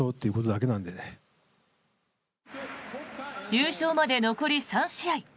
優勝まで残り３試合。